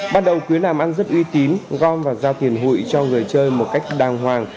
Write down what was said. bắt đầu cứ làm ăn rất uy tín gom và giao tiền hụi cho người chơi một cách đàng hoàng